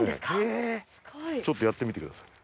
ちょっとやってみてください。